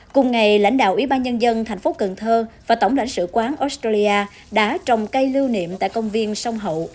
cùng ngày lãnh đạo ủy ban nhân dân thành phố cần thơ và tổng lãnh sự quán australia đã trồng cây lưu niệm tại công viên sông hậu